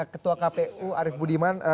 ketua kpu arief budiman